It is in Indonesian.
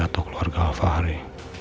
atau keluarga alfahri